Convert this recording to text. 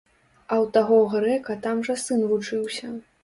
А ў таго грэка там жа сын вучыўся.